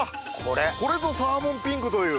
これぞサーモンピンクという。